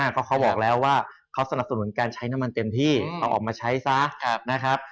เพราะเขาบอกแล้วว่าเขาสนับสนุนการใช้น้ำมันเต็มที่เอาออกมาใช้ซะนะครับ